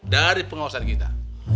dari pengawasan kita